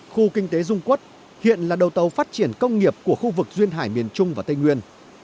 khu kinh tế dung quốc hiện là đầu tàu phát triển công nghiệp của khu vực duyên hải miền trung và tây nguyên